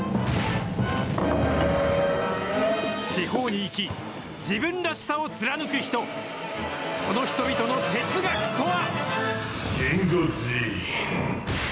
地方に生き、自分らしさを貫く人、その人々の哲学とは。